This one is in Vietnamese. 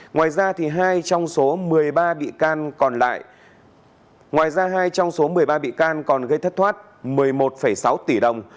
ngoài ra thì hai trong số một mươi ba bị can còn gây thất thoát một mươi một sáu tỷ đồng